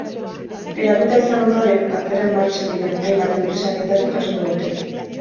Geratuta izan ondoren, atzera martxan diren hainbat enpresaren berri jasoko dute.